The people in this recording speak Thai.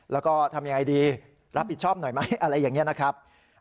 แล้วก็ทำยังไงดีรับผิดชอบหน่อยไหมอะไรอย่างนี้นะครับ